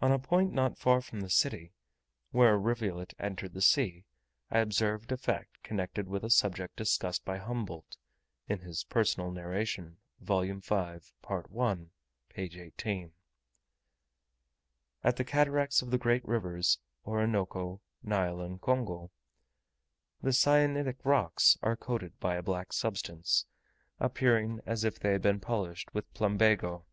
On a point not far from the city, where a rivulet entered the sea, I observed a fact connected with a subject discussed by Humboldt. At the cataracts of the great rivers Orinoco, Nile, and Congo, the syenitic rocks are coated by a black substance, appearing as if they had been polished with plumbago.